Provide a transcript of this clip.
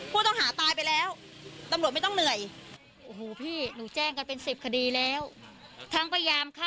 ผู้ต้องหาตายไปแล้วตำรวจไม่ต้องเหนื่อย